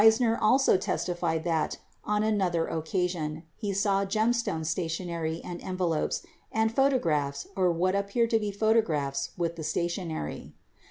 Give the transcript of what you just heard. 50 Eeisner also testified that, on another oc casion, he saw the Gemstone stationery and envelopes and "photo graphs or what appeared to be photographs with the stationery."